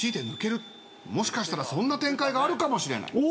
もしかしたらそんな展開があるかもしれない。